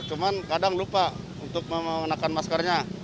cuman kadang lupa untuk mengenakan maskernya